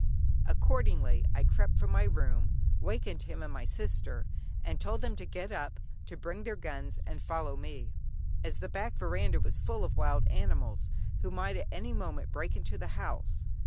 Accordingly, I crept from my room, wakened him and my sister, and told them to get up, to bring their guns, and follow me, as the back veranda was full of wild animals, who might at any moment break into the house.